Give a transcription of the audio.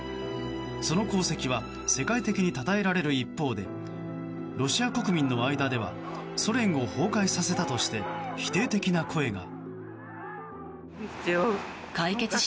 その功績は世界的にたたえられる一方でロシア国民の間ではソ連を崩壊させたとして否定的な声が。